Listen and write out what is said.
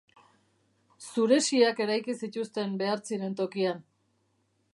Zuresiak eraiki zituzten behar ziren tokian.